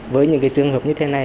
với những cái trường hợp như thế này